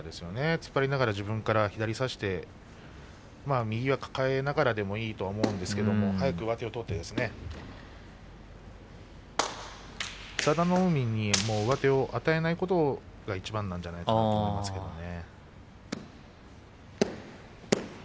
突っ張りながら自分から左を差して右を抱えながらでもいいと思うんですけれども早く上手を取って佐田の海に上手を与えないことがいちばんなんじゃないですかね。